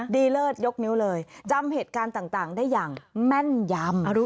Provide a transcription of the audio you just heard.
เลิศยกนิ้วเลยจำเหตุการณ์ต่างได้อย่างแม่นยำ